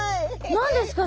何ですか？